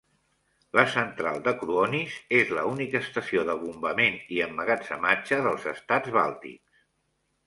La Central de Kruonis és la única estació de bombament i emmagatzematge dels estats bàltics.